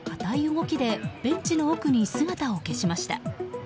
動きでベンチの奥に姿を消しました。